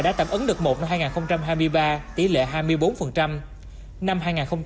đã tẩm ấn được một năm hai nghìn hai mươi ba tỷ lệ hai mươi bốn năm hai nghìn hai mươi bốn